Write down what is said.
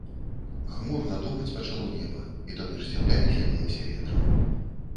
Хмурна думаць пачало неба, і тады ж зямля весялілася ветрам.